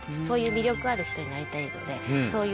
そういう魅力ある人になりたいので。